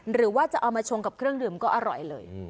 หรือว่าจะเอามาชงกับเครื่องดื่มก็อร่อยเลย